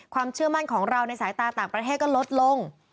ความเชื่อมั่นของเราในสายตาต่างประเทศก็ลดลง